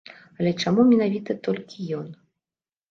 Але чаму менавіта толькі ён?